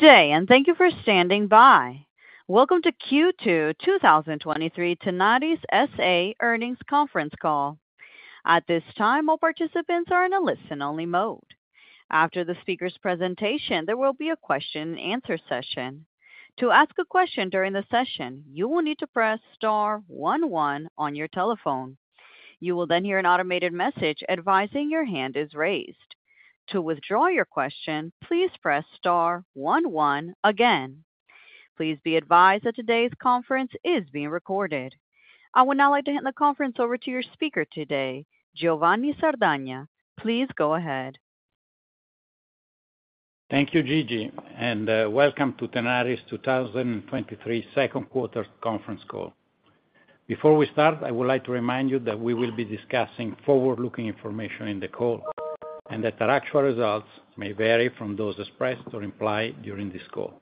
Good day, and thank you for standing by. Welcome to Q2 2023 Tenaris S.A. Earnings Conference Call. At this time, all participants are in a listen-only mode. After the speaker's presentation, there will be a question and answer session. To ask a question during the session, you will need to press star one one on your telephone. You will then hear an automated message advising your hand is raised. To withdraw your question, please press star one one again. Please be advised that today's conference is being recorded. I would now like to hand the conference over to your speaker today, Giovanni Sardagna. Please go ahead. Thank you, Gigi, welcome to Tenaris' 2023 second quarter conference call. Before we start, I would like to remind you that we will be discussing forward-looking information in the call, and that our actual results may vary from those expressed or implied during this call.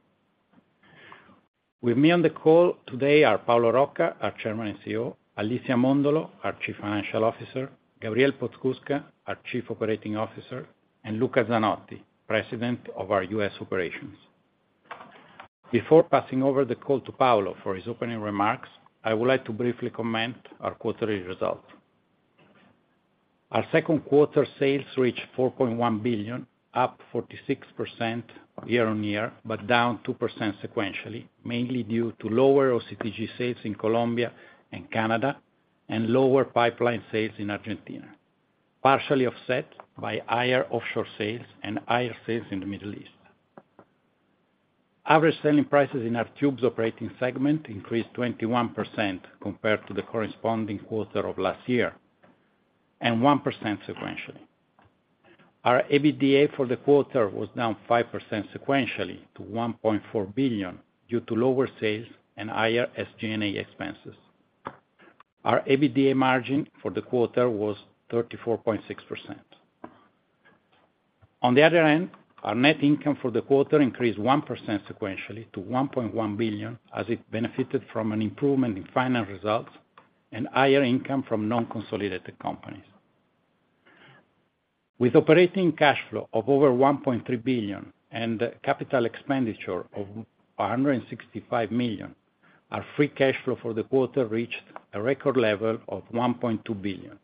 With me on the call today are Paolo Rocca, our Chairman and CEO, Alicia Mondolo, our Chief Financial Officer, Gabriel Podskubka, our Chief Operating Officer, and Luca Zanotti, President of our U.S. Operations. Before passing over the call to Paolo for his opening remarks, I would like to briefly comment our quarterly results. Our second quarter sales reached $4.1 billion, up 46% year-on-year, down 2% sequentially, mainly due to lower OCTG sales in Colombia and Canada, and lower pipeline sales in Argentina, partially offset by higher offshore sales and higher sales in the Middle East. Average selling prices in our tubes operating segment increased 21% compared to the corresponding quarter of last year, 1% sequentially. Our EBITDA for the quarter was down 5% sequentially to $1.4 billion, due to lower sales and higher SG&A expenses. Our EBITDA margin for the quarter was 34.6%. Our net income for the quarter increased 1% sequentially to $1.1 billion, as it benefited from an improvement in financial results and higher income from non-consolidated companies. With operating cash flow of over $1.3 billion and capital expenditure of $165 million, our free cash flow for the quarter reached a record level of $1.2 billion.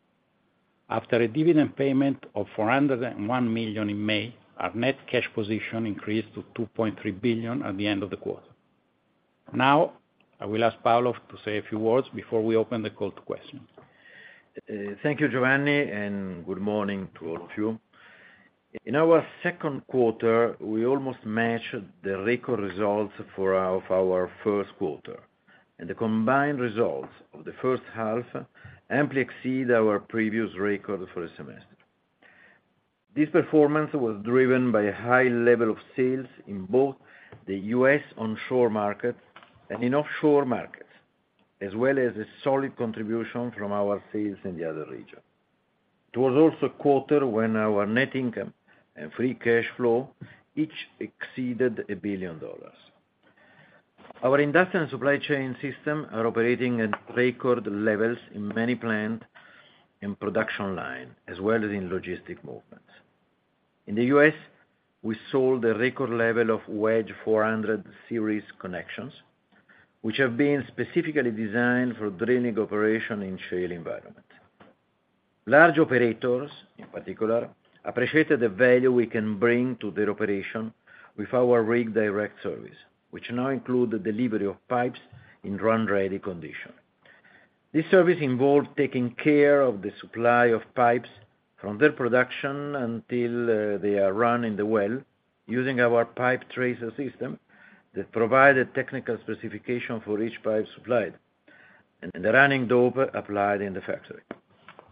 After a dividend payment of $401 million in May, our net cash position increased to $2.3 billion at the end of the quarter. Now, I will ask Paolo to say a few words before we open the call to questions. Thank you, Giovanni, good morning to all of you. In our second quarter, we almost matched the record results for our, of our first quarter. The combined results of the first half amply exceed our previous record for a semester. This performance was driven by a high level of sales in both the U.S. onshore markets and in offshore markets, as well as a solid contribution from our sales in the other region. It was also a quarter when our net income and free cash flow each exceeded $1 billion. Our industrial supply chain system are operating at record levels in many plant and production line, as well as in logistic movements. In the U.S., we sold a record level of Wedge Series 400 connections, which have been specifically designed for drilling operation in shale environment. Large operators, in particular, appreciated the value we can bring to their operation with our Rig Direct service, which now include the delivery of pipes in RunReady condition. This service involves taking care of the supply of pipes from their production until they are run in the well, using our PipeTracer system that provide a technical specification for each pipe supplied, and the running dope applied in the factory.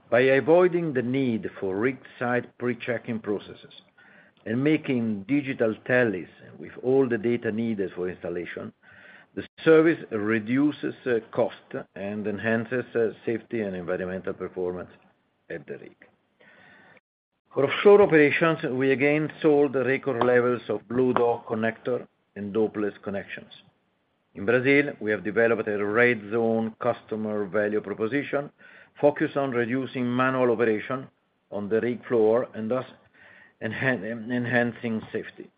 By avoiding the need for rig site pre-checking processes and making digital tallies with all the data needed for installation, the service reduces cost and enhances safety and environmental performance at the rig. For offshore operations, we again sold record levels of BlueDock connector and Dopeless connections. In Brazil, we have developed a Red Zone customer value proposition focused on reducing manual operation on the rig floor and thus enhancing safety.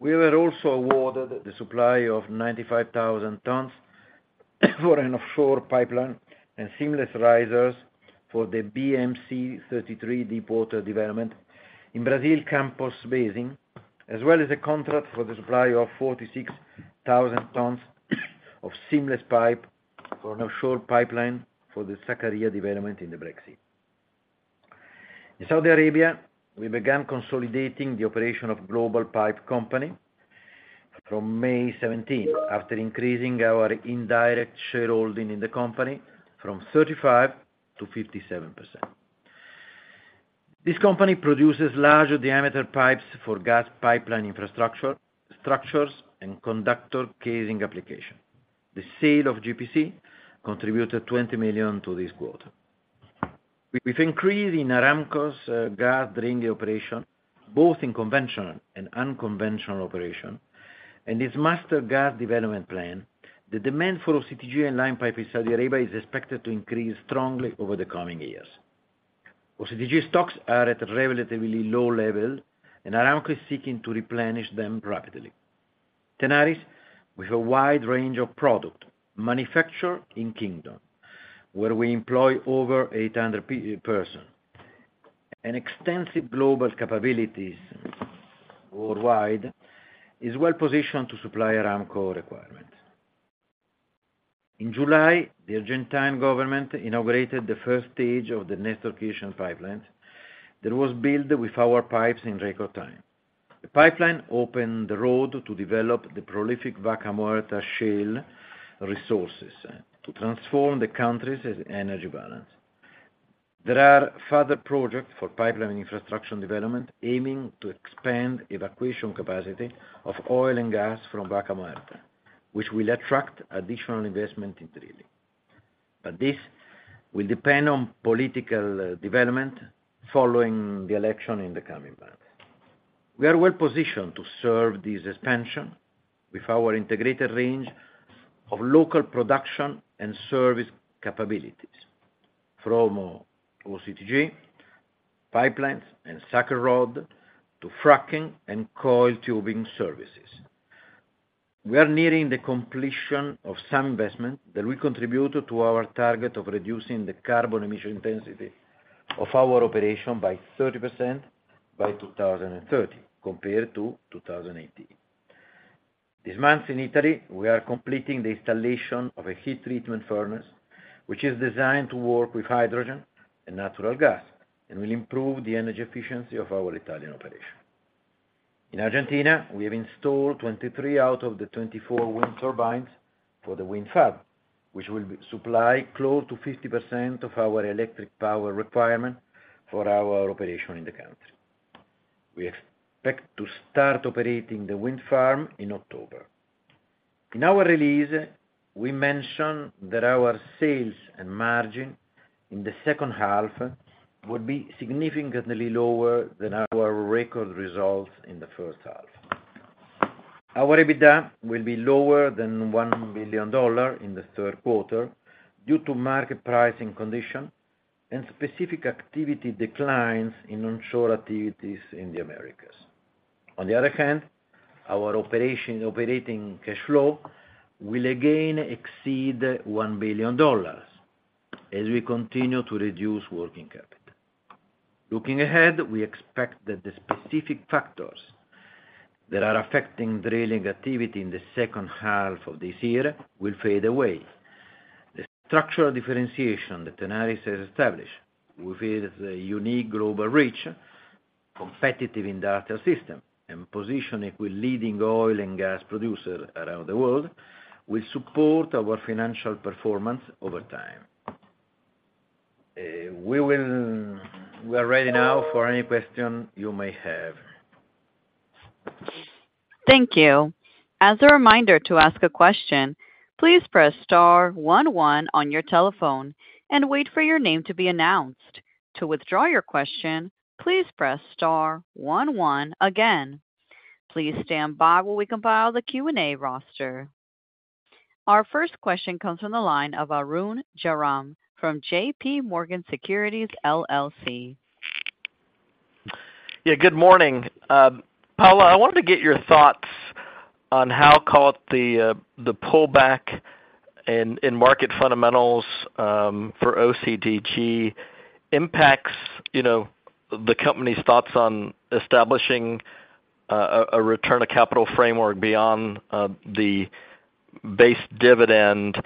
We were also awarded the supply of 95,000 tons for an offshore pipeline and seamless risers for the BM-C-33 deepwater development in Brazil Campos Basin, as well as a contract for the supply of 46,000 tons of seamless pipe for an offshore pipeline for the Sakarya development in the Black Sea. In Saudi Arabia, we began consolidating the operation of Global Pipe Company from May 17th, after increasing our indirect shareholding in the company from 35%-57%. This company produces larger diameter pipes for gas pipeline infrastructure, structures and conductor casing application. The sale of GPC contributed $20 million to this quarter. With increase in Aramco's gas drilling operation, both in conventional and unconventional operation, and this Master Gas Development Plan, the demand for OCTG and line pipe in Saudi Arabia is expected to increase strongly over the coming years. OCTG stocks are at a relatively low level, and Aramco is seeking to replenish them rapidly. Tenaris, with a wide range of product manufactured in Kingdom, where we employ over 800 persons, and extensive global capabilities worldwide, is well positioned to supply Aramco requirement. In July, the Argentine government inaugurated the first stage of the Néstor Kirchner Pipeline that was built with our pipes in record time. The pipeline opened the road to develop the prolific Vaca Muerta shale resources to transform the country's energy balance. There are further projects for pipeline infrastructure and development, aiming to expand evacuation capacity of oil and gas from Vaca Muerta, which will attract additional investment into drilling, but this will depend on political development following the election in the coming months. We are well positioned to serve this expansion with our integrated range of local production and service capabilities, from OCTG, pipelines, and sucker rod to fracking and coiled tubing services. We are nearing the completion of some investment that will contribute to our target of reducing the carbon emission intensity of our operation by 30% by 2030, compared to 2018. This month in Italy, we are completing the installation of a heat treatment furnace, which is designed to work with hydrogen and natural gas, and will improve the energy efficiency of our Italian operation. In Argentina, we have installed 23 out of the 24 wind turbines for the wind farm, which will be supply close to 50% of our electric power requirement for our operation in the country. We expect to start operating the wind farm in October. In our release, we mentioned that our sales and margin in the second half would be significantly lower than our record results in the first half. Our EBITDA will be lower than $1 billion in the third quarter, due to market pricing conditions and specific activity declines in onshore activities in the Americas. On the other hand, our operating cash flow will again exceed $1 billion as we continue to reduce working capital. Looking ahead, we expect that the specific factors that are affecting drilling activity in the second half of this year will fade away. The structural differentiation that Tenaris has established with its unique global reach, competitive industrial system, and position with leading oil and gas producers around the world, will support our financial performance over time. We will-- we are ready now for any question you may have. Thank you. As a reminder to ask a question, please press star one one on your telephone and wait for your name to be announced. To withdraw your question, please press star one one again. Please stand by while we compile the Q&A roster. Our first question comes from the line of Arun Jayaram from JPMorgan Securities LLC. Yeah, good morning. Paolo, I wanted to get your thoughts on how, call it, the pullback in market fundamentals for OCTG impacts, you know, the company's thoughts on establishing a return of capital framework beyond the base dividend.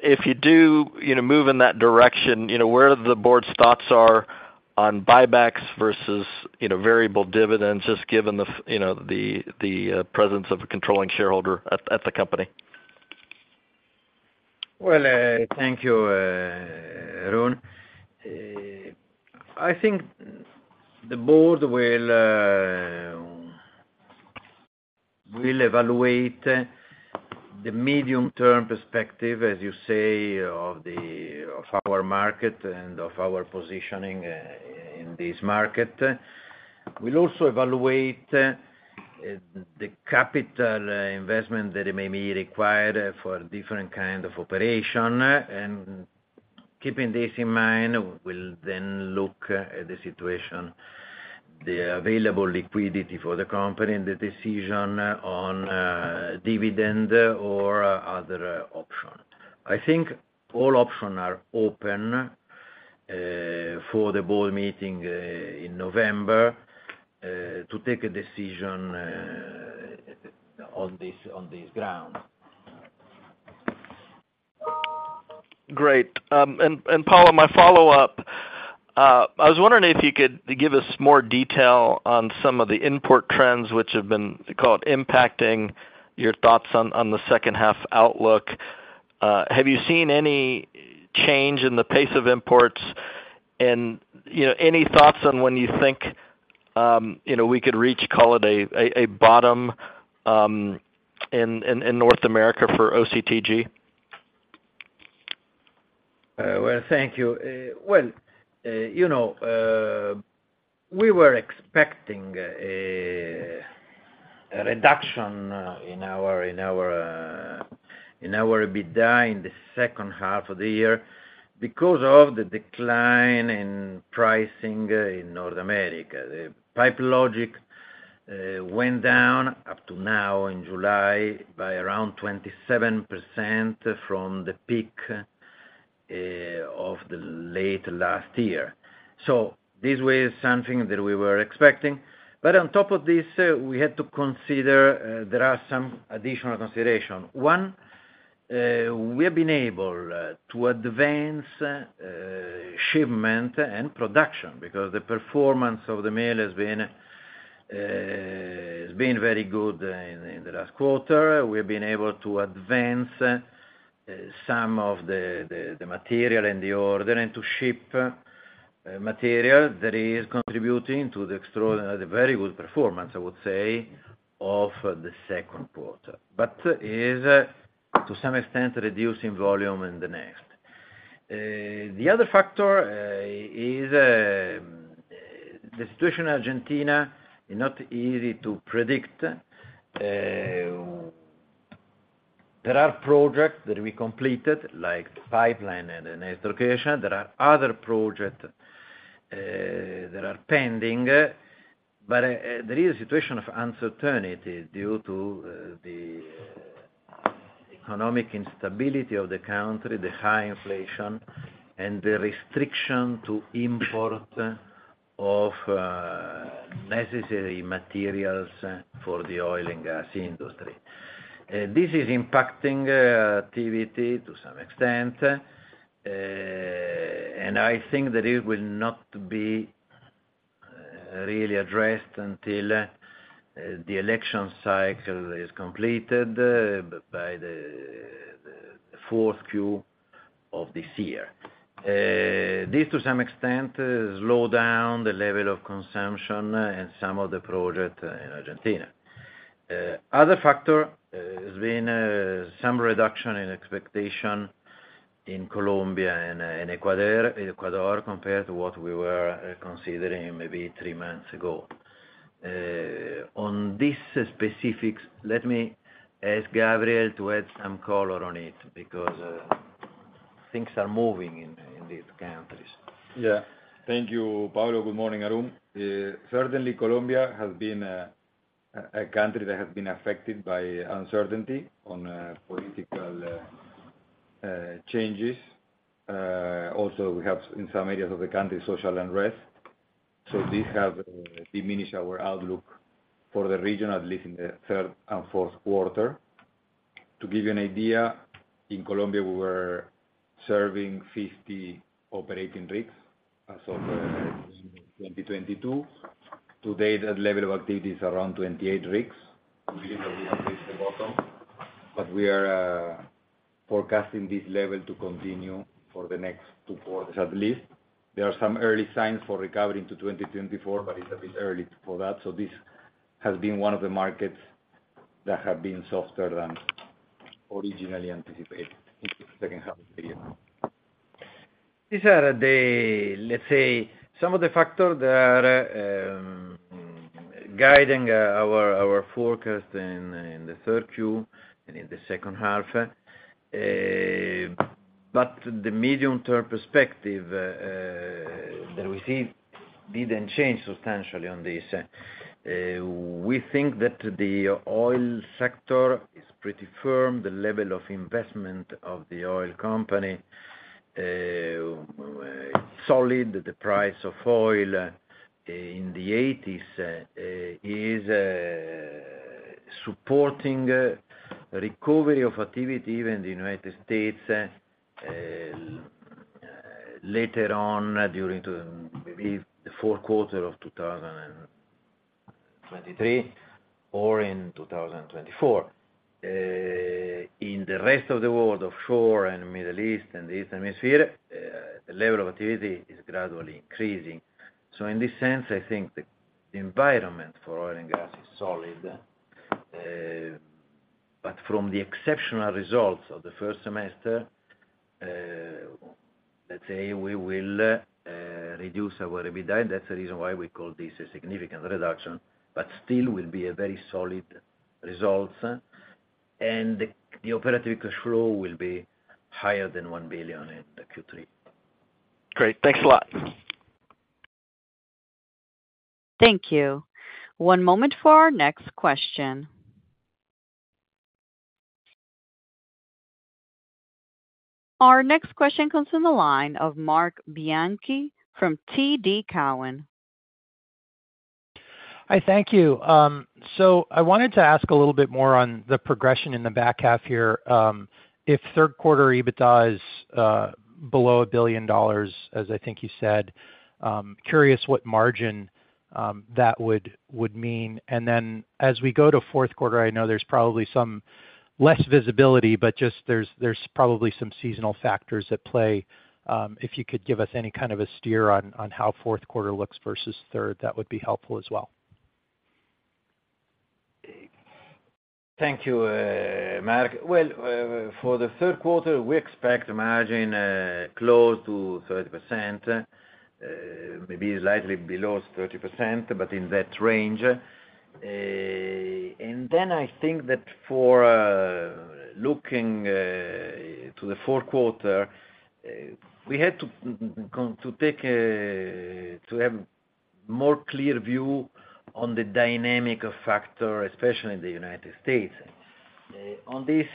If you do, you know, move in that direction, you know, where the board's thoughts are on buybacks versus, you know, variable dividends, just given the, you know, the presence of a controlling shareholder at the company? Well, thank you, Arun. I think the board will, will evaluate the medium-term perspective, as you say, of the, of our market and of our positioning, in this market. We'll also evaluate, the capital, investment that may be required for different kind of operation, and keeping this in mind, we'll then look at the situation, the available liquidity for the company, and the decision on, dividend or other option. I think all option are open, for the board meeting, in November, to take a decision, on this, on this ground. Great. Paolo, my follow-up, I was wondering if you could give us more detail on some of the import trends which have been, call it, impacting your thoughts on the second half outlook. Have you seen any change in the pace of imports? You know, any thoughts on when you think, you know, we could reach, call it a, a, a bottom in North America for OCTG? Well, thank you. Well, you know, we were expecting a reduction in our, in our, in our EBITDA in the second half of the year because of the decline in pricing in North America. The PipeLogix went down up to now in July, by around 27% from the peak of the late last year. This was something that we were expecting. On top of this, we had to consider, there are some additional consideration. One, we have been able to advance shipment and production because the performance of the mill has been very good in the last quarter. We've been able to advance some of the, the, the material and the order, and to ship material that is contributing to the extraordinary, very good performance, I would say, of the second quarter, but is, to some extent, reducing volume in the next. The other factor is the situation in Argentina is not easy to predict. There are projects that we completed, like pipeline and allocation. There are other projects that are pending, but there is a situation of uncertainty due to the economic instability of the country, the high inflation, and the restriction to import of necessary materials for the oil and gas industry. This is impacting activity to some extent, and I think that it will not be really addressed until the election cycle is completed by the fourth Q of this year. This, to some extent, slow down the level of consumption and some of the project in Argentina. Other factor has been some reduction in expectation in Colombia and in Ecuador, Ecuador, compared to what we were considering maybe three months ago. On this specifics, let me ask Gabriel to add some color on it, because things are moving in, in these countries. Yeah. Thank you, Paolo. Good morning, everyone. Certainly, Colombia has been a country that has been affected by uncertainty on political changes. Also, we have, in some areas of the country, social unrest. This have diminished our outlook for the region, at least in the third and fourth quarter. To give you an idea, in Colombia, we were serving 50 operating rigs as of 2022. Today, that level of activity is around 28 rigs. We believe that we have reached the bottom, but we are forecasting this level to continue for the next quarters, at least. There are some early signs for recovery into 2024, but it's a bit early for that. This has been one of the markets that have been softer than originally anticipated in the second half of the year. These are the, let's say, some of the factors that are guiding our, our forecast in, in the third Q, and in the second half, but the medium-term perspective that we see didn't change substantially on this. We think that the oil sector is pretty firm. The level of investment of the oil company, solid. The price of oil in the $80s is supporting recovery of activity in the United States later on, during the, maybe the fourth quarter of 2023 or in 2024. In the rest of the world, offshore and Middle East and the East Hemisphere, the level of activity is gradually increasing. In this sense, I think the environment for oil and gas is solid. From the exceptional results of the first semester, let's say we will reduce our EBITDA. That's the reason why we call this a significant reduction, but still will be a very solid results, and the operative cash flow will be higher than $1 billion in the Q3. Great. Thanks a lot. Thank you. One moment for our next question. Our next question comes from the line of Marc Bianchi from TD Cowen. Hi, thank you. I wanted to ask a little bit more on the progression in the back half here. If third quarter EBITDA is below $1 billion, as I think you said, curious what margin that would mean. Then as we go to fourth quarter, I know there's probably some less visibility, but just there's, there's probably some seasonal factors at play. If you could give us any kind of a steer on how fourth quarter looks versus third, that would be helpful as well. Thank you, Marc. Well, for the third quarter, we expect the margin close to 30%, maybe slightly below 30%, but in that range. Then I think that for looking to the fourth quarter, we had to take to have more clear view on the dynamic of factor, especially in the United States. On this,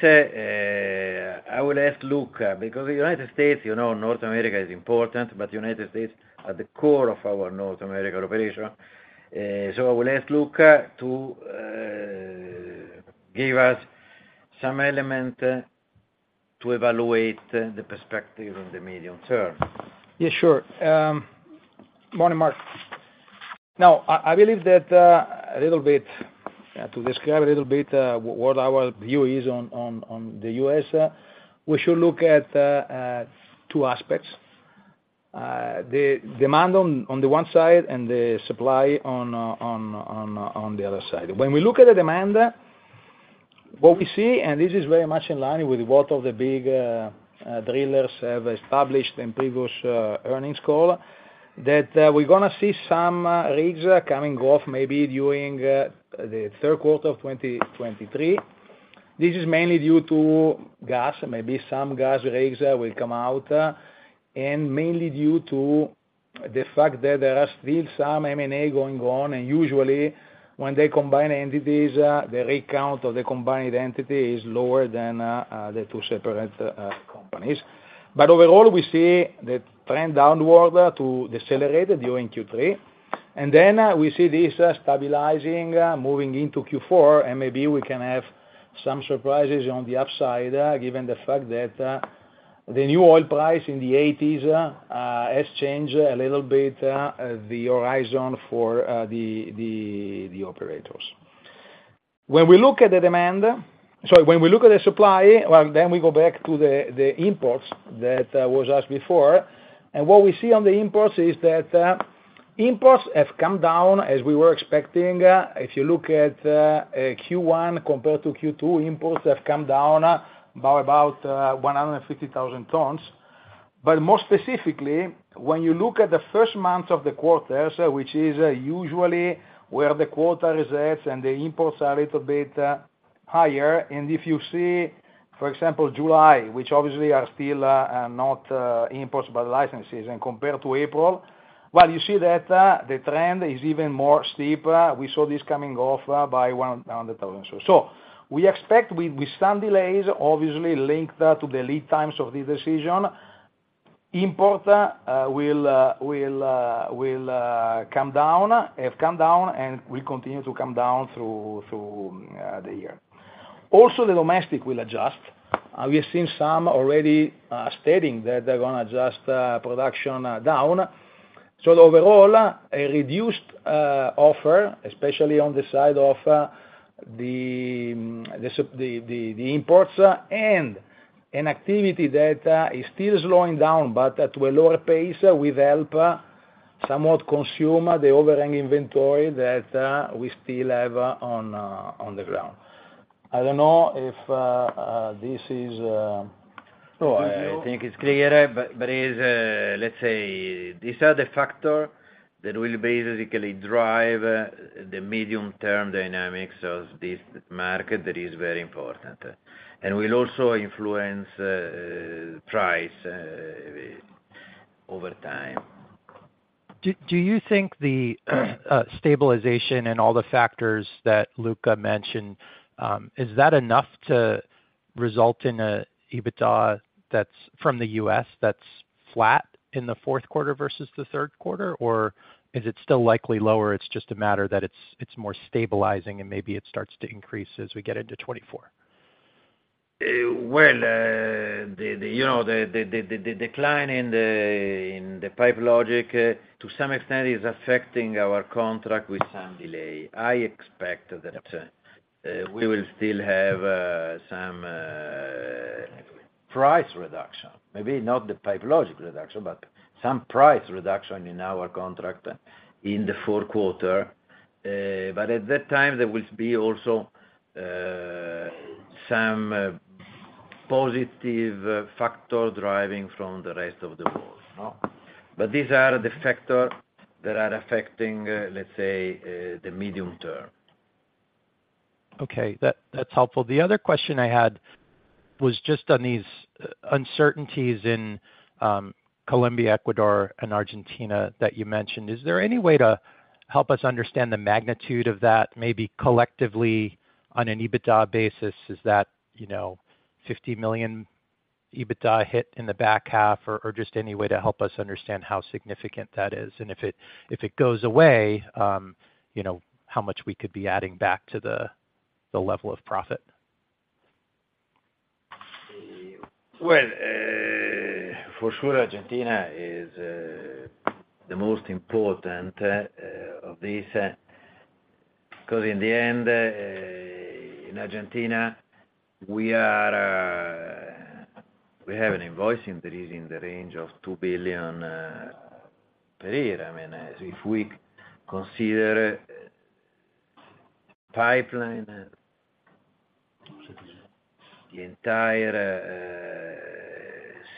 I will ask Luca, because the United States, you know, North America is important, but United States are the core of our North America operation. I will ask Luca to give us some element to evaluate the perspective in the medium term. Yeah, sure. Morning, Marc. I, I believe that a little bit to describe a little bit what our view is on the U.S., we should look at two aspects. The demand on the one side and the supply on the other side. When we look at the demand, what we see, and this is very much in line with what of the big drillers have established in previous earnings call, that we're gonna see some rigs coming off, maybe during the third quarter of 2023. This is mainly due to gas, maybe some gas rigs will come out, and mainly due to the fact that there are still some M&A going on, and usually, when they combine entities, the rig count of the combined entity is lower than the two separate companies. Overall, we see the trend downward to decelerate during Q3. Then, we see this stabilizing moving into Q4, and maybe we can have some surprises on the upside, given the fact that the new oil price in the $80s has changed a little bit the horizon for the operators. When we look at the demand, sorry, when we look at the supply, well, then we go back to the imports that was asked before. What we see on the imports is that imports have come down as we were expecting. If you look at Q1 compared to Q2, imports have come down by about 150,000 tons. More specifically, when you look at the first month of the quarters, which is usually where the quarter resets and the imports are a little bit higher, and if you see, for example, July, which obviously are still not imports, but licenses, and compared to April, well, you see that the trend is even more steep. We saw this coming off by 100,000. We expect with, with some delays, obviously linked to the lead times of this decision, import will come down, have come down, and will continue to come down through the year. Also, the domestic will adjust. We have seen some already stating that they're gonna adjust production down. Overall, a reduced offer, especially on the side of the imports, and an activity that is still slowing down, but at a lower pace, will help somewhat consume the overhang inventory that we still have on the ground. I don't know if this is. No, I think it's clear, but is, let's say, these are the factor that will basically drive the medium-term dynamics of this market that is very important, and will also influence price over time. Do, do you think the stabilization and all the factors that Luca mentioned, is that enough to result in a EBITDA that's from the U.S. that's flat in the fourth quarter versus the third quarter? Is it still likely lower, it's just a matter that it's, it's more stabilizing and maybe it starts to increase as we get into 2024? Well, you know, the decline in the PipeLogix, to some extent, is affecting our contract with some delay. I expect that we will still have some price reduction, maybe not the PipeLogix reduction, but some price reduction in our contract in the fourth quarter. At that time, there will be also some positive factor driving from the rest of the world. These are the factor that are affecting, let's say, the medium term. Okay, that's helpful. The other question I had was just on these uncertainties in Colombia, Ecuador, and Argentina that you mentioned. Is there any way to help us understand the magnitude of that, maybe collectively on an EBITDA basis? Is that, you know, a $50 million EBITDA hit in the back half, or just any way to help us understand how significant that is, and if it, if it goes away, you know, how much we could be adding back to the level of profit? Well, for sure, Argentina is the most important of this because in the end, in Argentina, we are... We have an invoicing that is in the range of $2 billion per year. I mean, if we consider pipeline, the entire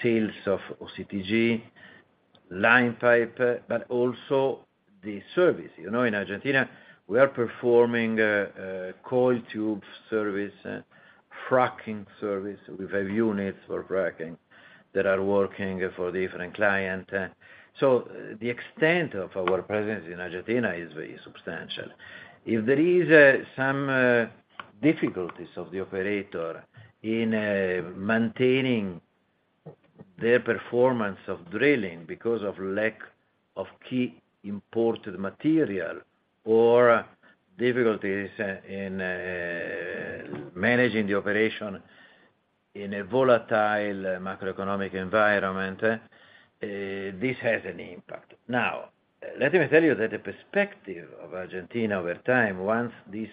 sales of OCTG, line pipe, but also the service. You know, in Argentina, we are performing coil tube service, fracking service. We have units for fracking that are working for different client. The extent of our presence in Argentina is very substantial. If there is some difficulties of the operator in maintaining their performance of drilling because of lack of key imported material, or difficulties in managing the operation in a volatile macroeconomic environment, this has an impact. Now, let me tell you that the perspective of Argentina over time, once this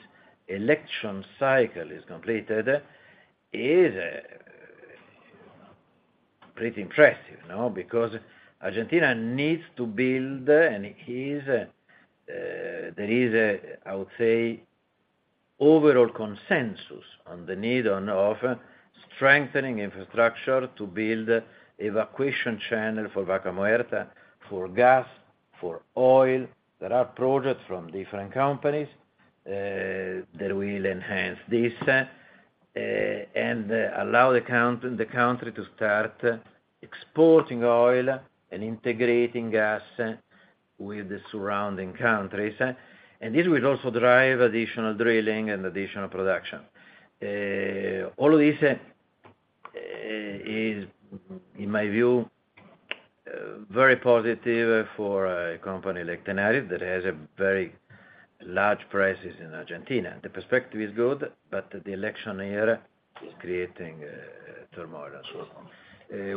election cycle is completed, is pretty impressive, you know, because Argentina needs to build, and it is, there is a, I would say, overall consensus on the need of strengthening infrastructure to build evacuation channel for Vaca Muerta, for gas, for oil. There are projects from different companies that will enhance this and allow the country to start exporting oil and integrating gas with the surrounding countries. This will also drive additional drilling and additional production. All of this is, in my view, very positive for a company like Tenaris, that has a very large presence in Argentina. The perspective is good, the election year is creating turmoil.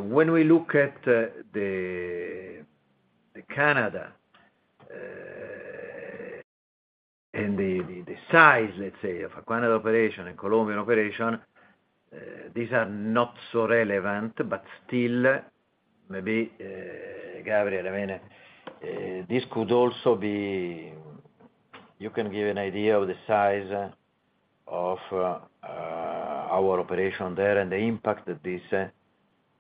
When we look at the Canada and the size, let's say, of a Canada operation and Colombian operation, these are not so relevant. Still, maybe, Gabriel, I mean, this could also be. You can give an idea of the size of our operation there and the impact that this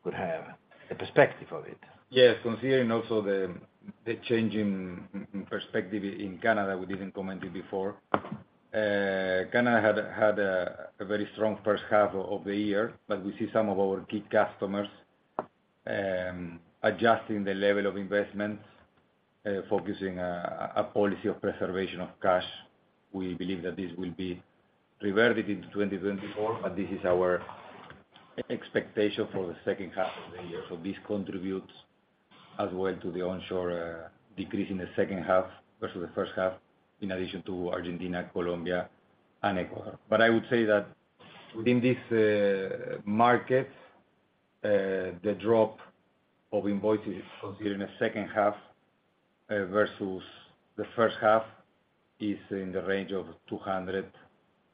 could have, the perspective of it. Yes, considering also the changing perspective in Canada, we didn't comment it before. Canada had a very strong first half of the year, but we see some of our key customers adjusting the level of investment, focusing a policy of preservation of cash. We believe that this will be reverted into 2024, but this is our expectation for the second half of the year. This contributes as well to the onshore decrease in the second half versus the first half, in addition to Argentina, Colombia, and Ecuador. I would say that within this market, the drop of invoices considered in the second half versus the first half, is in the range of $200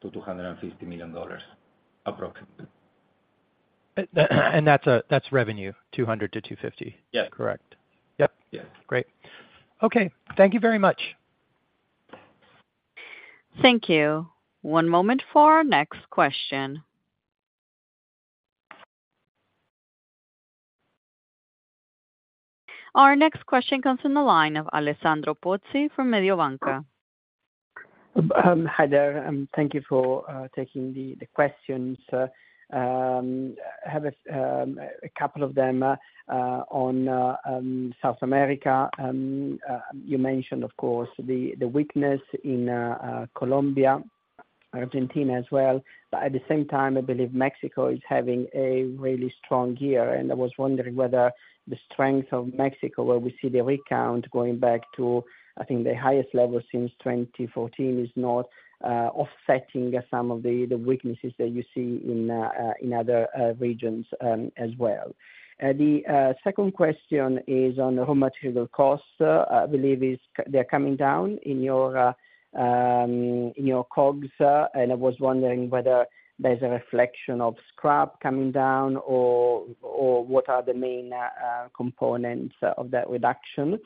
million-$250 million, approximately. That's, that's revenue, $200 million-$250 million? Yeah. Correct. Yep. Yeah. Great. Okay. Thank you very much. Thank you. One moment for our next question. Our next question comes from the line of Alessandro Pozzi from Mediobanca. Hi there, and thank you for taking the questions. I have a couple of them on South America. You mentioned, of course, the weakness in Colombia, Argentina as well. But at the same time, I believe Mexico is having a really strong year, and I was wondering whether the strength of Mexico, where we see the recount going back to, I think, the highest level since 2014, is not offsetting some of the weaknesses that you see in other regions as well. The second question is on the raw material costs I believe is, they're coming down in your, in your COGS, and I was wondering whether there's a reflection of scrap coming down or, or what are the main components of that reduction?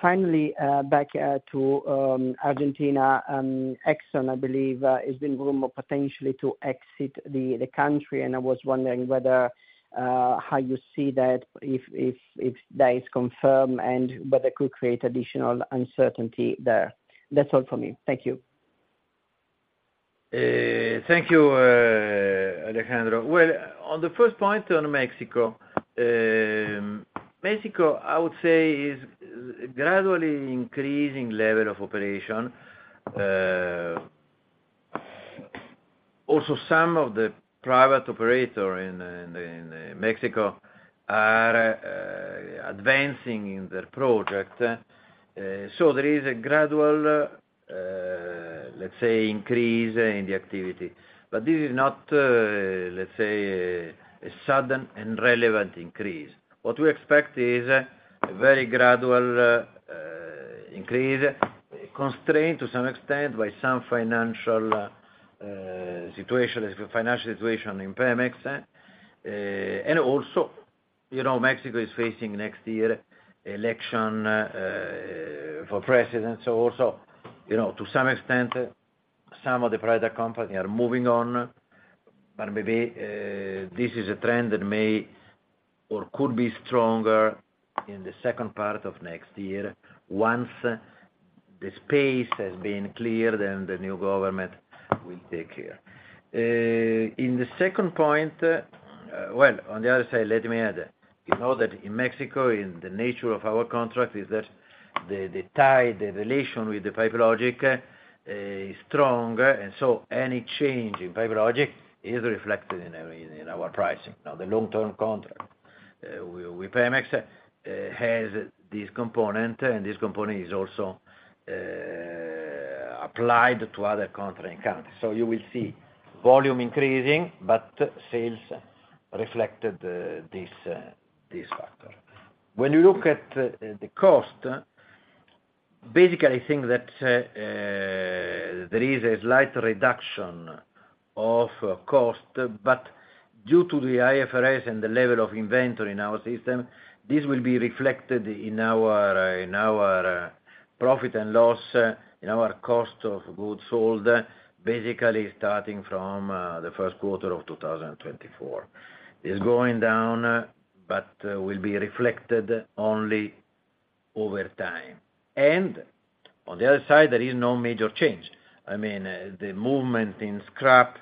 Finally, back to Argentina, Exxon, I believe, has been rumored potentially to exit the country, and I was wondering whether how you see that if, if, if that is confirmed and whether it could create additional uncertainty there. That's all for me. Thank you. Thank you, Alejandro. Well, on the first point on Mexico, Mexico, I would say, is gradually increasing level of operation. Some of the private operator in, in, in Mexico are advancing in their project. There is a gradual, let's say, increase in the activity, but this is not, let's say, a sudden and relevant increase. What we expect is a very gradual increase, constrained to some extent by some financial situation, as the financial situation in Pemex. Also, you know, Mexico is facing next year, election for president. Also, you know, to some extent, some of the private company are moving on, but maybe this is a trend that may or could be stronger in the second part of next year, once the space has been cleared and the new government will take care. In the second point, well, on the other side, let me add, you know that in Mexico, in the nature of our contract, is that the tie, the relation with the PipeLogix, is strong, and any change in PipeLogix is reflected in our, in our pricing. The long-term contract with Pemex has this component. This component is also applied to other contract accounts. You will see volume increasing. Sales reflected this factor. When you look at the cost, basically, I think that there is a slight reduction of cost, but due to the IFRS and the level of inventory in our system, this will be reflected in our, in our, profit and loss, in our cost of goods sold, basically starting from the first quarter of 2024. It's going down, but will be reflected only over time. On the other side, there is no major change. I mean, the movement in scrap,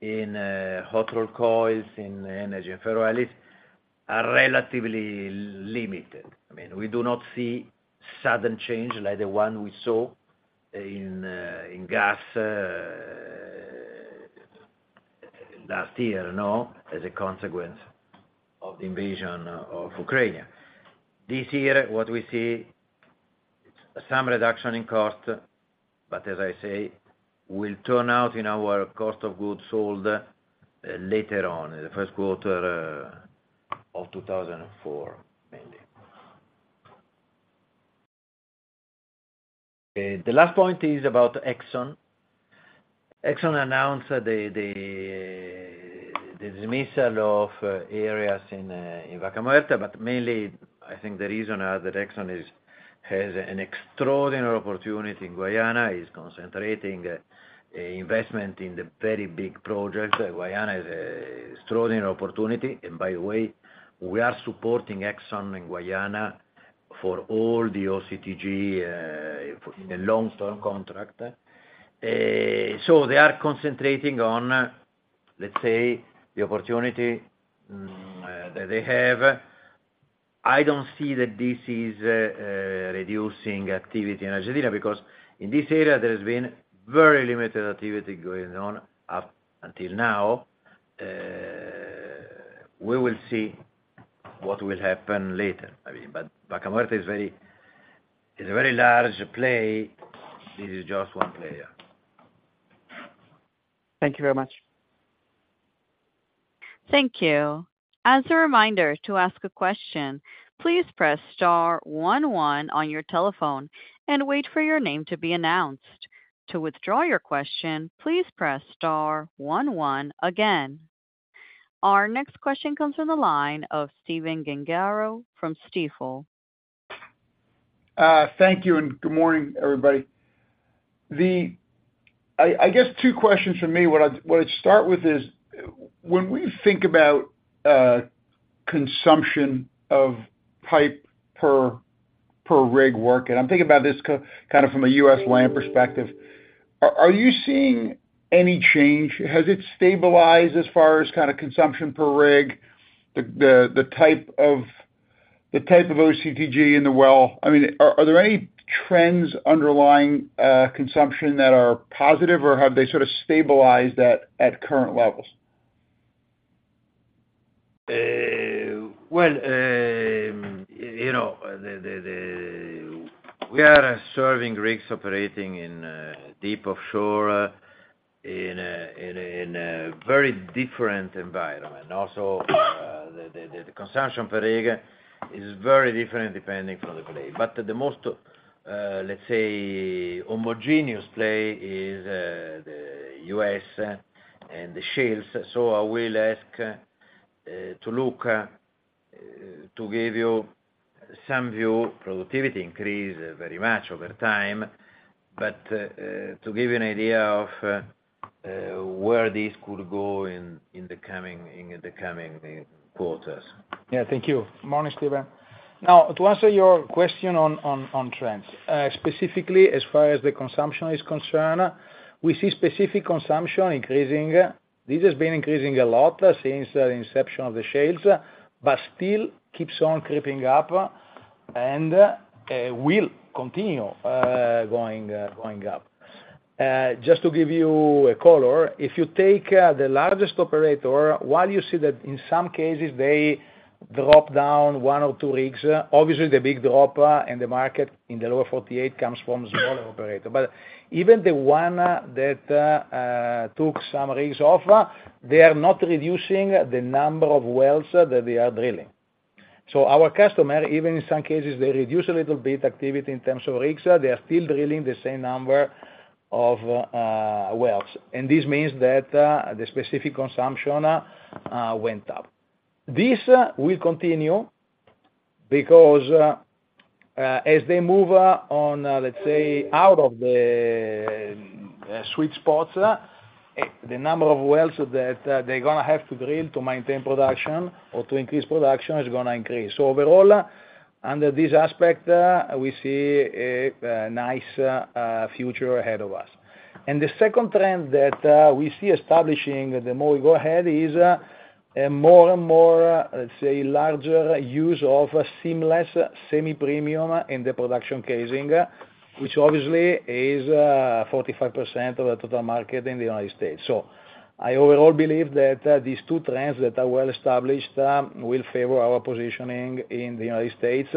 in hot-rolled coils, in energy and ferroalloys, are relatively limited. I mean, we do not see sudden change like the one we saw in gas last year, no, as a consequence of the invasion of Ukraine. This year, what we see, some reduction in cost, but as I say, will turn out in our cost of goods sold, later on in the first quarter of 2004, mainly. The last point is about Exxon. Exxon announced the dismissal of areas in Vaca Muerta. Mainly, I think the reason are that Exxon is, has an extraordinary opportunity in Guyana, is concentrating investment in the very big project. Guyana is a extraordinary opportunity, and by the way, we are supporting Exxon in Guyana for all the OCTG in a long-term contract. They are concentrating on, let's say, the opportunity that they have. I don't see that this is reducing activity in Argentina, because in this area, there has been very limited activity going on up until now. We will see what will happen later. I mean, Vaca Muerta is very, is a very large play. This is just one player. Thank you very much. Thank you. As a reminder, to ask a question, please press star one one on your telephone and wait for your name to be announced. To withdraw your question, please press star one one again. Our next question comes from the line of Stephen Gengaro from Stifel. Thank you, and good morning, everybody. I guess two questions from me. What I'd start with is, when we think about consumption of pipe per rig work, and I'm thinking about this kind of from a U.S. land perspective, are you seeing any change? Has it stabilized as far as kind of consumption per rig, the type of, the type of OCTG in the well? I mean, are there any trends underlying consumption that are positive, or have they sort of stabilized at current levels? You know, the, the, the, we are serving rigs operating in, uh, deep offshore in a, in a, in a very different environment. Also, uh, the, the, the consumption per rig is very different depending on the play. But the most, uh, let's say, homogeneous play is, uh, the U.S., uh, and the shales. So I will ask, uh, to Luca, uh, to give you some view, productivity increase very much over time, but, uh, uh, to give you an idea of, uh, uh, where this could go in, in the coming, in the coming quarters. Yeah, thank you. Morning, Stephen. To answer your question on, on, on trends, specifically as far as the consumption is concerned, we see specific consumption increasing. This has been increasing a lot since the inception of the shales, still keeps on creeping up and will continue going up. Just to give you a color, if you take the largest operator, while you see that in some cases they drop down one or two rigs, obviously the big drop in the market in the Lower 48 comes from smaller operator. Even the one that took some rigs off, they are not reducing the number of wells that they are drilling. Our customer, even in some cases, they reduce a little bit activity in terms of rigs, they are still drilling the same number of wells. This means that the specific consumption went up. This will continue because as they move on, let's say, out of the sweet spots, the number of wells that they're going to have to drill to maintain production or to increase production is going to increase. Overall, under this aspect, we see a nice future ahead of us. The second trend that we see establishing the more we go ahead, is a more and more, let's say, larger use of a seamless semi-premium in the production casing, which obviously is 45% of the total market in the United States. I overall believe that these two trends that are well established, will favor our positioning in the United States.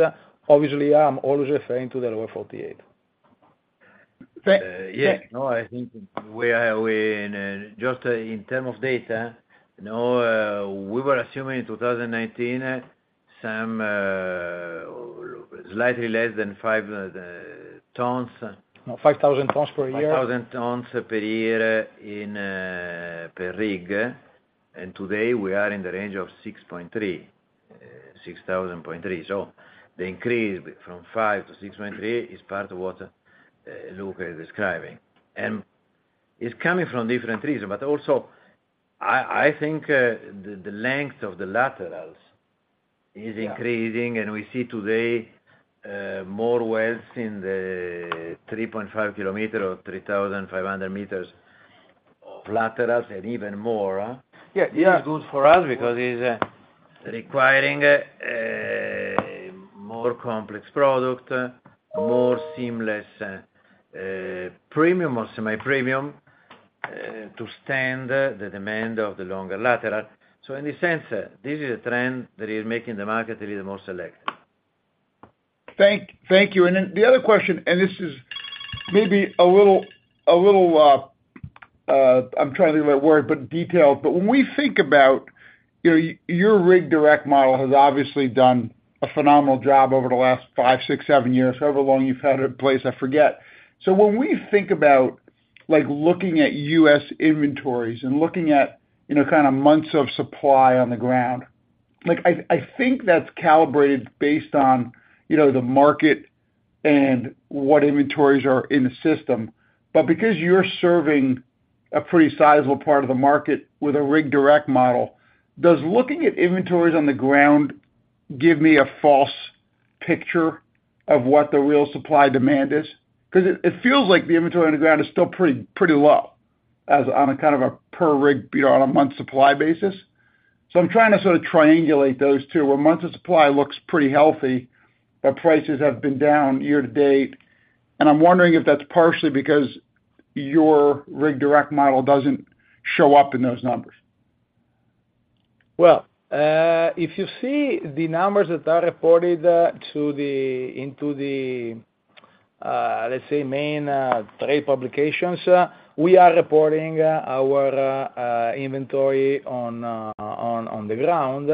Obviously, I'm always referring to the Lower 48. Yeah, no, I think we are, just in term of data, you know, we were assuming in 2019, some, slightly less than five tons. 5,000 tons per year. 5,000 tons per year per rig, and today we are in the range of 6.3, 6,000.3. The increase from 5 to 6.3 is part of what Luca is describing. It's coming from different reasons, but also, I, I think, the length of the laterals is increasing, and we see today, more wells in the 3.5 km, or 3,500 meters of laterals, and even more. Yeah. This is good for us because it's requiring more complex product, more seamless, premium or semi-premium, to stand the demand of the longer lateral. In a sense, this is a trend that is making the market a little more selective. Thank you. The other question, and this is maybe a little, I'm trying to think of that word, but detailed. When we think about, you know, your Rig Direct model has obviously done a phenomenal job over the last five, six, seven years, however long you've had it in place, I forget. When we think about, like, looking at U.S. inventories and looking at, you know, kind of months of supply on the ground, like, I, I think that's calibrated based on, you know, the market and what inventories are in the system. Because you're serving a pretty sizable part of the market with a Rig Direct model, does looking at inventories on the ground give me a false picture of what the real supply demand is? It feels like the inventory on the ground is still pretty, pretty low, as on a kind of a per rig, you know, on a month supply basis. I'm trying to sort of triangulate those two, where months of supply looks pretty healthy, but prices have been down year to date. I'm wondering if that's partially because your Rig Direct model doesn't show up in those numbers. If you see the numbers that are reported into the, let's say, main trade publications, we are reporting our inventory on the ground.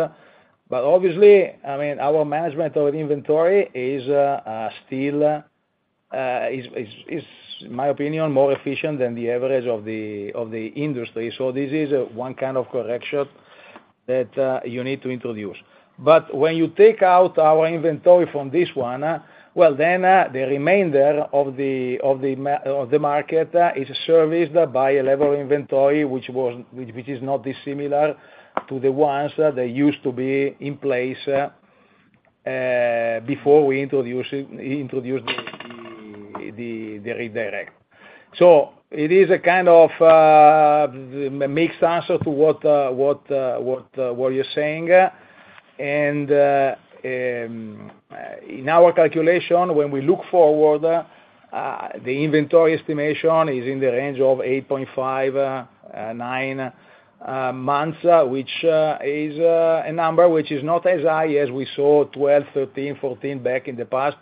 Obviously, I mean, our management of inventory is still, in my opinion, more efficient than the average of the industry. This is one kind of correction that you need to introduce. When you take out our inventory from this one, well, the remainder of the market is serviced by a level of inventory which is not dissimilar to the ones that used to be in place before we introduced the Rig Direct. xed answer to what, what, what, what you're saying. In our calculation, when we look forward, the inventory estimation is in the range of 8.5 months-9 months, which is a number which is not as high as we saw 12, 13, 14 back in the past,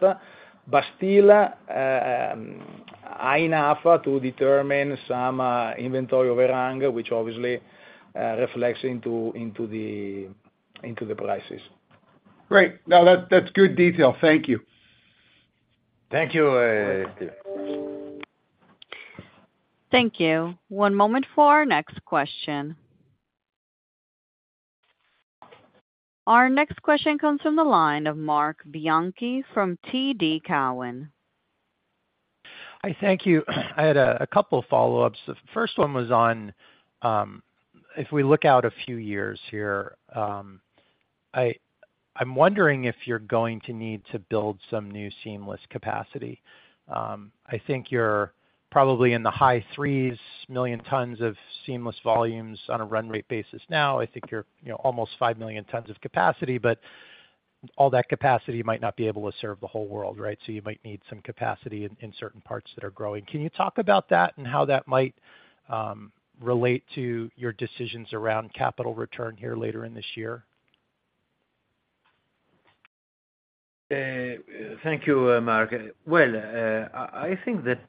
but still high enough to determine some inventory of a range, which obviously reflects into, into the, into the prices. Great. Now, that, that's good detail. Thank you. Thank you, Stephen. Thank you. One moment for our next question. Our next question comes from the line of Marc Bianchi from TD Cowen. Hi, thank you. I had a couple follow-ups. The first one was on, if we look out a few years here, I'm wondering if you're going to need to build some new seamless capacity. I think you're probably in the high 3 million tons of seamless volumes on a run-rate basis. Now, I think you're, you know, almost 5 million tons of capacity, but all that capacity might not be able to serve the whole world, right? You might need some capacity in, in certain parts that are growing. Can you talk about that and how that might relate to your decisions around capital return here later in this year? Thank you, Marc. Well, I, I think that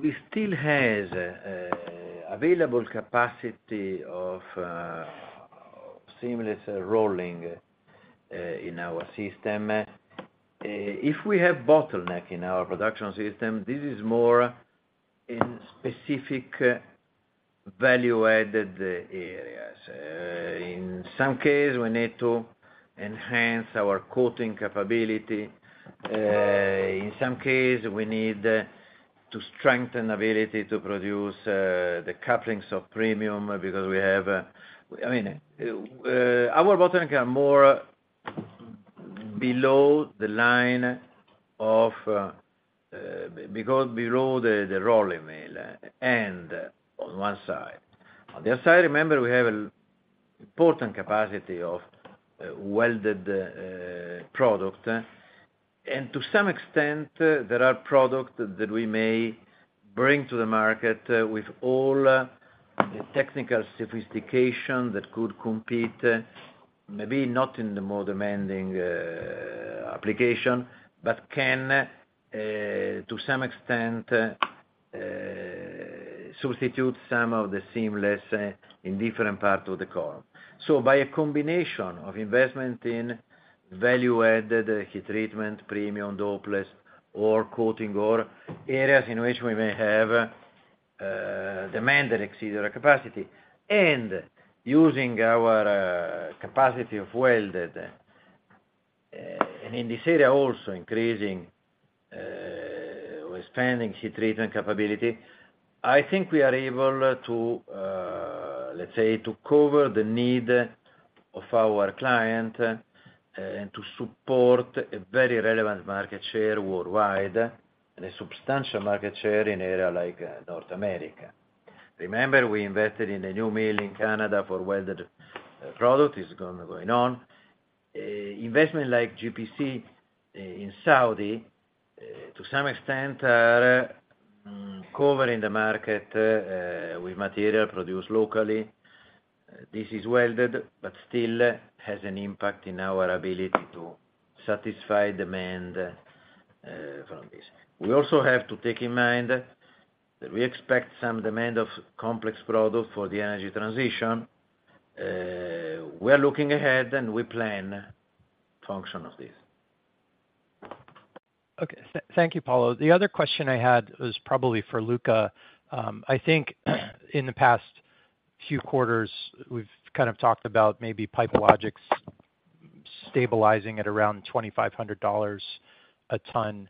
we still have available capacity of seamless rolling in our system. If we have bottleneck in our production system, this is more in specific value-added areas. In some case, we need to enhance our coating capability. In some case, we need to strengthen ability to produce the couplings of premium, because we have, I mean, our bottleneck are more below the line of, because below the, the rolling mill and on one side. On the other side, remember, we have an important capacity of welded product. To some extent, there are product that we may bring to the market, with all the technical sophistication that could compete, maybe not in the more demanding application, but can, to some extent, substitute some of the seamless in different parts of the core. By a combination of investment in value-added heat treatment, premium, Dopeless, or coating, or areas in which we may have demand that exceed our capacity, and using our capacity of welded, and in this area, also increasing or expanding heat treatment capability, I think we are able to, let's say, to cover the need of our client, and to support a very relevant market share worldwide, and a substantial market share in area like North America. Remember, we invested in a new mill in Canada for welded product, is gonna going on. Investment like GPC in Saudi, to some extent, are covering the market, with material produced locally. This is welded, but still has an impact in our ability to satisfy demand from this. We also have to take in mind that we expect some demand of complex products for the energy transition. We're looking ahead, and we plan function of this. Okay. Thank you, Paolo. The other question I had was probably for Luca. I think, in the past few quarters, we've kind of talked about maybe PipeLogix stabilizing at around $2,500 a ton.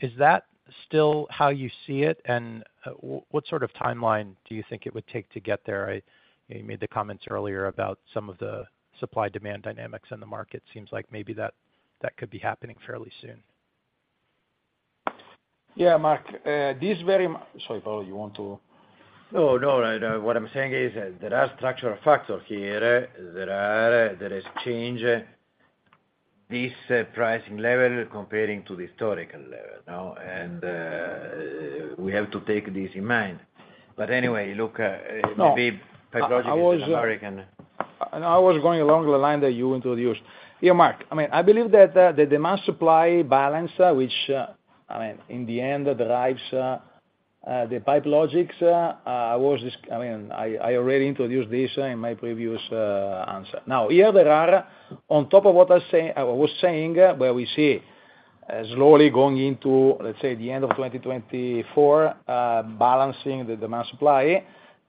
Is that still how you see it? And, what sort of timeline do you think it would take to get there? You made the comments earlier about some of the supply-demand dynamics in the market. Seems like maybe that, that could be happening fairly soon. Yeah, Marc. Sorry, Paolo, you want to? No, no, what I'm saying is that there are structural factors here. There is change this pricing level comparing to the historical level, you know, and we have to take this in mind. Anyway, look, maybe PipeLogix is American. No, I was, I was going along the line that you introduced. Yeah, Marc, I mean, I believe that the demand-supply balance, which, I mean, in the end, derives the PipeLogix. I mean, I, I already introduced this in my previous answer. Now, here there are, on top of what I say, I was saying, where we see slowly going into, let's say, the end of 2024, balancing the demand-supply,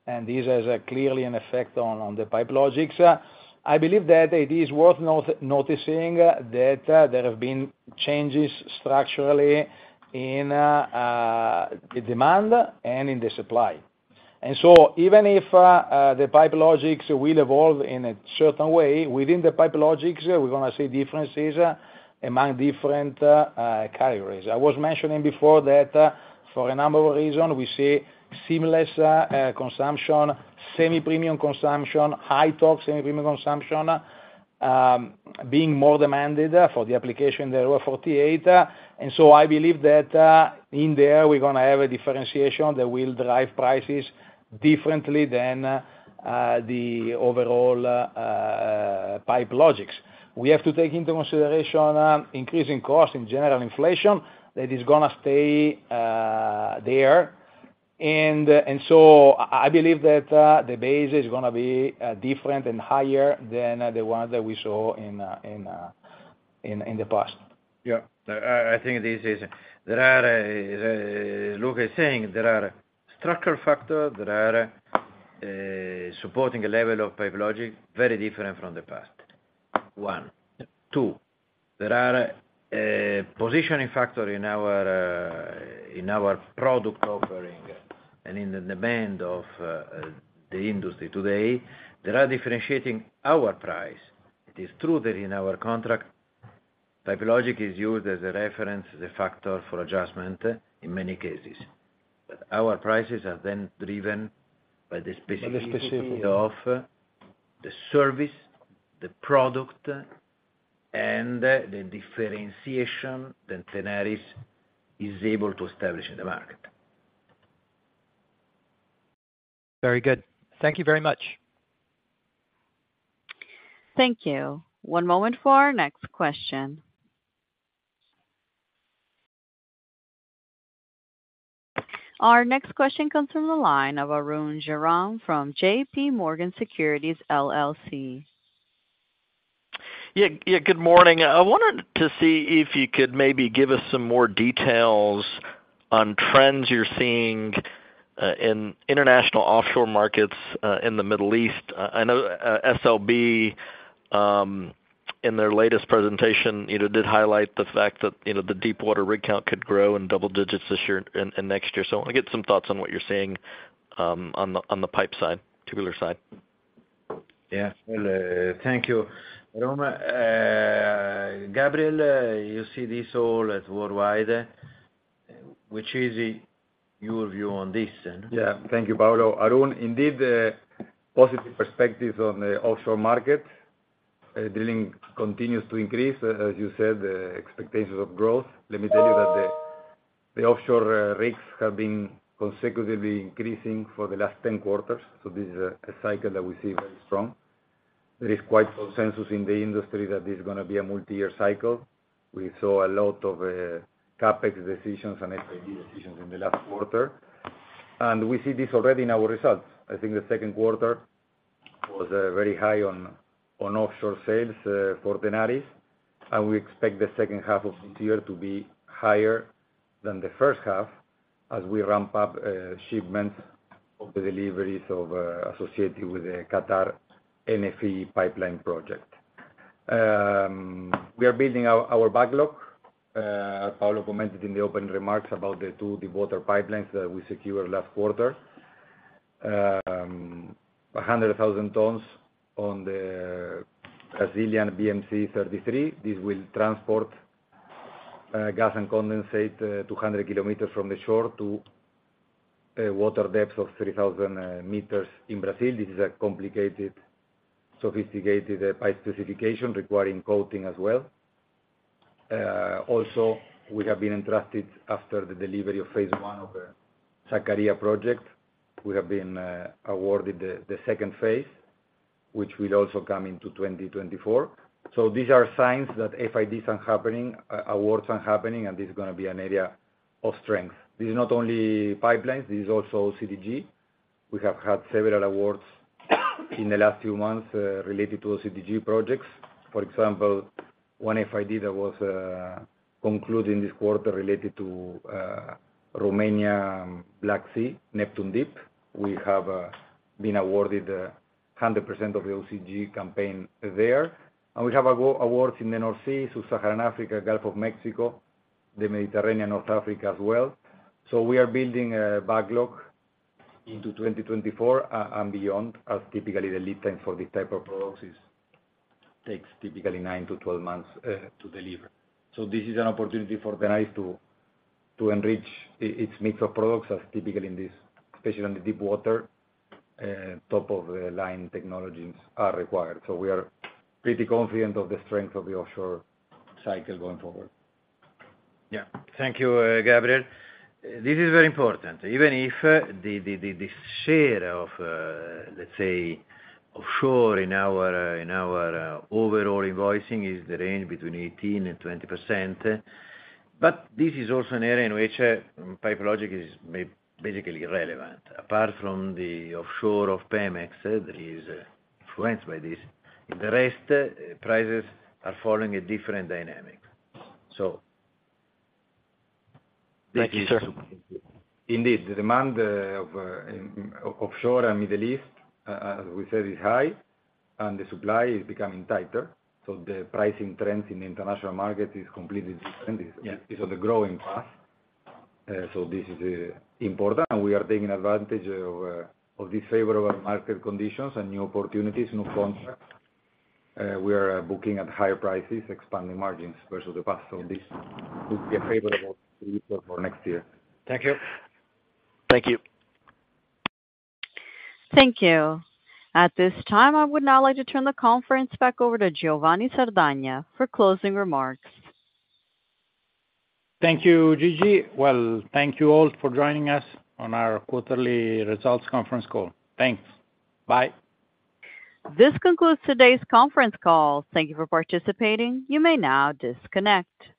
and this has a clearly an effect on, on the PipeLogix. I believe that it is worth noticing that there have been changes structurally in the demand and in the supply. Even if the PipeLogix will evolve in a certain way, within the PipeLogix, we're gonna see differences among different categories. I was mentioning before that, for a number of reasons, we see seamless consumption, semi-premium consumption, high torque semi-premium consumption, being more demanded for the application of the Lower 48. I believe that, in there, we're gonna have a differentiation that will drive prices differently than the overall PipeLogix. We have to take into consideration, increasing costs in general inflation, that is gonna stay there. I believe that the base is gonna be different and higher than the one that we saw in the past. Yeah, I, I think there are structural factors that Luca is saying are supporting a level of PipeLogix, very different from the past. 1. 2. There are a positioning factor in our product offering and in the demand of the industry today that are differentiating our price. It is true that in our contract, PipeLogix is used as a reference, the factor for adjustment in many cases, our prices are then driven by the specificity of the service, the product, and the differentiation that Tenaris is able to establish in the market. Very good. Thank you very much. Thank you. One moment for our next question. Our next question comes from the line of Arun Jayaram from JPMorgan Securities LLC. Yeah, yeah, good morning. I wanted to see if you could maybe give us some more details on trends you're seeing in international offshore markets in the Middle East. I, I know SLB in their latest presentation, you know, did highlight the fact that, you know, the deepwater rig count could grow in double digits this year and next year. I want to get some thoughts on what you're seeing on the pipe side, tubular side. Yeah. Well, thank you, Arun. Gabriel, you see this all at worldwide, which is your view on this then? Yeah. Thank you, Paolo. Arun, indeed, positive perspectives on the offshore market. Drilling continues to increase, as you said, the expectations of growth. Let me tell you that the, the offshore rates have been consecutively increasing for the last 10 quarters, so this is a, a cycle that we see very strong. There is quite consensus in the industry that this is gonna be a multi-year cycle. We saw a lot of CapEx decisions and FID decisions in the last quarter, we see this already in our results. I think the second quarter was very high on offshore sales for Tenaris, we expect the second half of this year to be higher than the first half as we ramp up shipments of the deliveries of associated with the Qatar NFE pipeline project. We are building our, our backlog. Paolo commented in the opening remarks about the two deepwater pipelines that we secured last quarter. 100,000 tons on the Brazilian BM-C-33. This will transport gas and condensate 200 km from the shore to a water depth of 3,000 meters in Brazil. This is a complicated, sophisticated pipe specification requiring coating as well. Also, we have been entrusted after the delivery of phase one of the Sakarya project. We have been awarded the second phase, which will also come into 2024. These are signs that FIDs are happening, awards are happening, and this is gonna be an area of strength. This is not only pipelines, this is also OCTG. We have had several awards in the last few months related to OCTG projects. For example, one FID that was concluded in this quarter related to Romania, Black Sea, Neptun Deep. We have been awarded 100% of the OCTG campaign there. We have award, awards in the North Sea, Sub-Saharan Africa, Gulf of Mexico, the Mediterranean, North Africa as well. We are building a backlog into 2024 and beyond, as typically the lead time for these type of products is, takes typically 9 months-12 months to deliver. This is an opportunity for Tenaris to enrich its mix of products, as typically in this, especially on the deep water, top-of-the-line technologies are required. We are pretty confident of the strength of the offshore cycle going forward. Yeah. Thank you, Gabriel. This is very important. Even if the, the, the, the share of, let's say, offshore in our, in our, overall invoicing is the range between 18% and 20%, but this is also an area in which PipeLogix is basically irrelevant. Apart from the offshore of Pemex that is influenced by this, in the rest, prices are following a different dynamic. Thank you, sir. Indeed, the demand of offshore and Middle East, as we said, is high, and the supply is becoming tighter. The pricing trends in the international market is completely different. Yeah. These are the growing parts. This is important, and we are taking advantage of these favorable market conditions and new opportunities, new contracts. We are booking at higher prices, expanding margins versus the past. This could be a favorable result for next year. Thank you. Thank you. Thank you. At this time, I would now like to turn the conference back over to Giovanni Sardagna for closing remarks. Thank you, Gigi. Well, thank you all for joining us on our quarterly results conference call. Thanks. Bye. This concludes today's conference call. Thank you for participating. You may now disconnect.